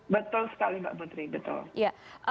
betul sekali mbak putri betul